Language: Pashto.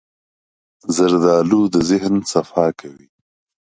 زردالو د ذهن صفا کوي.